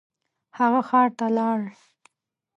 هغه ښار ته لاړ.